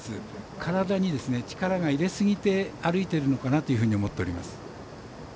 体に力がいれ過ぎて歩いているのかなというふうに思っております。